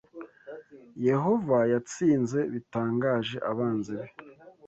Yehova yatsinze bitangaje abanzi be